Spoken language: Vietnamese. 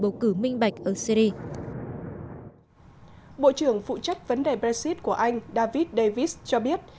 bầu cử minh bạch ở syri bộ trưởng phụ trách vấn đề brexit của anh david davis cho biết